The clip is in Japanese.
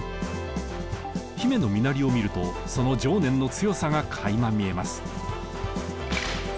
姫の身なりを見るとその情念の強さがかいま見えます。